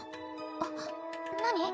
あっ何？